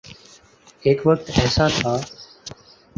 ایک وقت ایسا تھا۔